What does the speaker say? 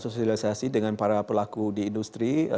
sosialisasi dengan para pelaku di industri